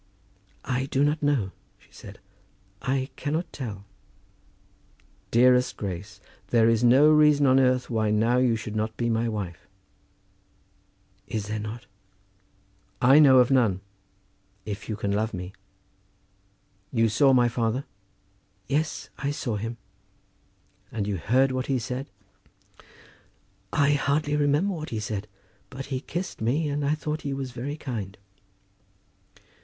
"I do not know," she said. "I cannot tell." "Dearest Grace, there is no reason on earth now why you should not be my wife." "Is there not?" "I know of none, if you can love me. You saw my father?" "Yes, I saw him." "And you heard what he said?" "I hardly remember what he said; but he kissed me, and I thought he was very kind."